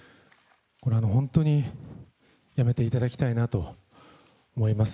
これは本当にやめていただきたいなと思います。